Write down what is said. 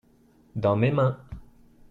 dans mes mains.